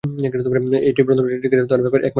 এটিই প্রথম-শ্রেণীর ক্রিকেটে তার একমাত্র সেঞ্চুরি ছিল।